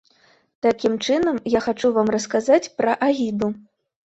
Такім чынам, я хачу вам расказаць пра агіду.